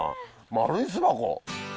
丸い巣箱。